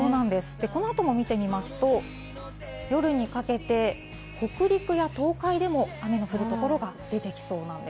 この後も見てみますと、夜にかけて北陸や東海でも雨が降るところが出てきそうなんです。